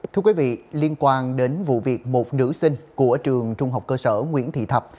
thưa quý vị liên quan đến vụ việc một nữ sinh của trường trung học cơ sở nguyễn thị thập